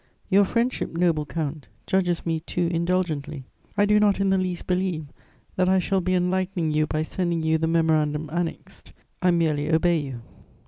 "Your friendship, noble count, judges me too indulgently; I do not in the least believe that I shall be enlightening you by sending you the Memorandum annexed: I merely obey you."